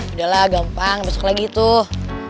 udah lah gampang besok lagi tuh